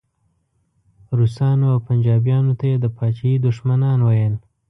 روسانو او پنجابیانو ته یې د پاچاهۍ دښمنان ویل.